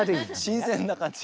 新鮮な感じが。